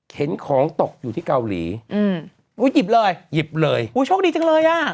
เห็นของตกอยู่ที่เกาหลีอืมอุ้ยหยิบเลยหยิบเลยอุ้ยโชคดีจังเลยอ่ะ